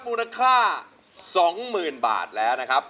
มูลค่าสองหมื่นบาทแล้วนะครับ